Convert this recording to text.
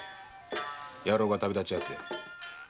野郎が旅立ちやすぜ。